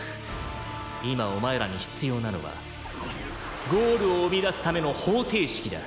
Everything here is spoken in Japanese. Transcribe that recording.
今お前らに必要なのはゴールを生み出すための方程式だ。